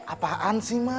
apaan sih ma